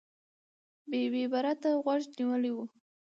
ببۍ به را ته غوږ نیولی و.